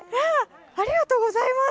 ありがとうございます。